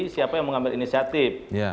siapa yang mengambil inisiatif